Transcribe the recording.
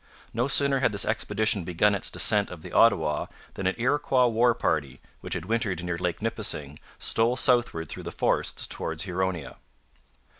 No sooner had this expedition begun its descent of the Ottawa than an Iroquois war party, which had wintered near Lake Nipissing, stole southward through the forests towards Huronia.